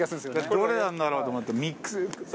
どれなんだろうと思ってミックス。